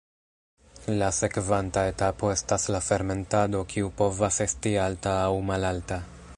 La sekvanta etapo estas la fermentado kiu povas esti alta aŭ malalta.